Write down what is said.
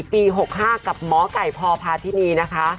ปี๖๕กับหมอไก่พพาธินีนะคะ